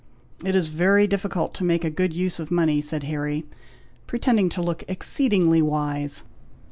"It is very difficult to make a good use of money," said Harry, pretending to look exceedingly wise.